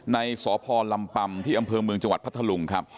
ในสพลำปัมที่อำเภอเมืองจังหวัดพัทธลุงครับ